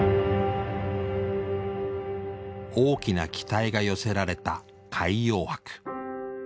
大きな期待が寄せられた海洋博。